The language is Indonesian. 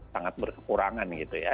sangat berkekurangan gitu ya